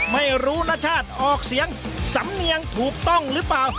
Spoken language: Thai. ไม่รู้ณชาติออกเสียงสำเนียงถูกต้องหรือเปล่า